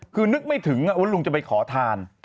คือนึกไม่ถึงว่าลุงจะไปขอทาน